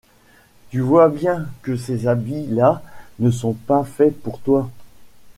Tu vois bien que ces habits-là ne sont pas faits pour toi.